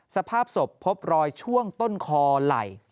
สภาพศพพบรอยช่วงต้นคอไหล่